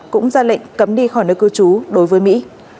cũng ra lệnh cấm đi khỏi nơi cư trú đối với mỹ